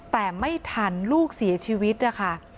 แต่ไม่ทันลูกเสียชีวิตนะคะ